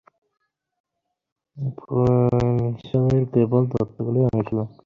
উপনিষদ কেবল এই তত্ত্বগুলিরই অনুশীলন করে।